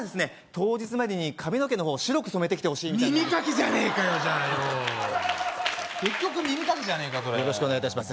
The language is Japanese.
当日までに髪の毛の方白く染めてきてほしいみたいなんです耳かきじゃねえかよじゃあよ結局耳かきじゃねえかそれよろしくお願いいたします